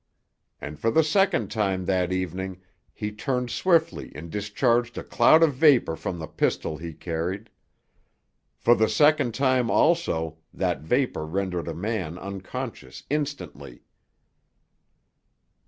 And for the second time that evening he turned swiftly and discharged a cloud of vapor from the pistol he carried. For the second time also that vapor rendered a man unconscious instantly.